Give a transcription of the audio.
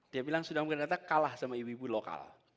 dia bilang sudah mungkin ternyata kalah sama ibu ibu lokal